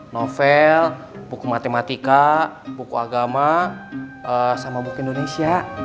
novel buku matematika buku agama sama buku indonesia